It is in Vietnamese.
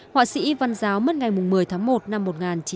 họa sĩ văn giáo mất ngày một mươi tháng một năm một nghìn chín trăm chín mươi sáu